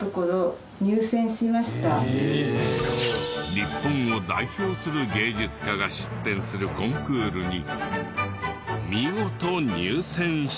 日本を代表する芸術家が出展するコンクールに見事入選した。